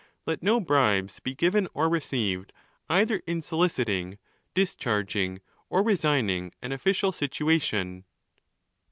Let no bribes be given or received, either in soliciting, discharging, or resigning an official situation.